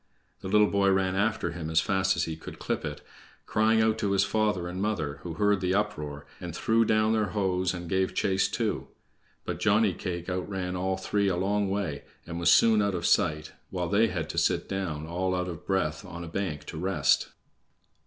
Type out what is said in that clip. The little boy ran after him as fast as he could clip it, crying out to his father and mother, who heard the uproar, and threw down their hoes and gave chase too. But Johnny cake outran all three a long way, and was soon out of sight, while they had to sit down, all out of breath, on a bank to rest.